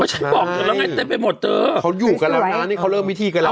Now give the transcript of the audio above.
ก็ฉันบอกเจ้าแล้วไงเต็มไปหมดเจ้าเขาอยู่กันแล้วนะนี่เขาเริ่มวิธีกันแล้วแม่